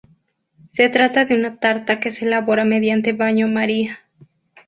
Se trata de una tarta que se elabora mediante baño maría.